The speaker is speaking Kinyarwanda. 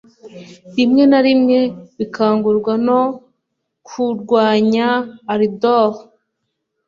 rimwe na rimwe bikangurwa no kurwanya ardor